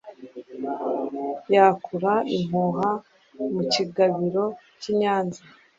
Yakura impuha mukigabiro kinyanza